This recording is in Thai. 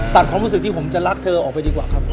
ตัดความรู้สึกที่ผมจะรักเธอออกไปดีกว่าครับ